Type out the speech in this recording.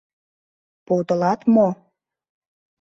Подылат мо?